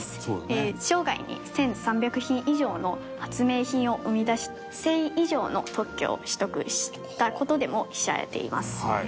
生涯に１３００品以上の発明品を生み出し１０００以上の特許を取得した事でも知られています。